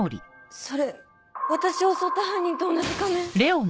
それ私を襲った犯人と同じ仮面！